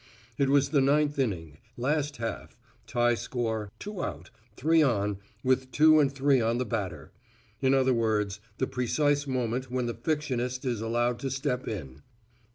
It was the ninth inning, last half, tie score, two out, three on, with two and three on the batter. In other words, the precise moment when the fictionist is allowed to step in.